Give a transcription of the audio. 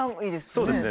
そうですね。